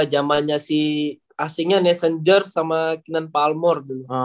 jamannya sih asingnya nessenger sama kenan palmore dulu